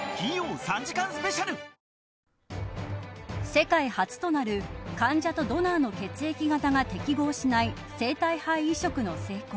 世界初となる患者とドナーの血液型が適合しない生体肺移植の成功。